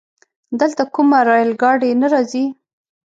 دلته کومه رايل ګاډی نه راځي؟